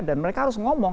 dan mereka harus ngomong